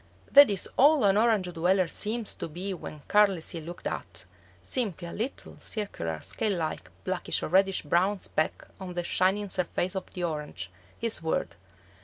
That is all an Orange dweller seems to be when carelessly looked at; simply a little circular, scale like, blackish or reddish brown speck on the shining surface of the orange, his world.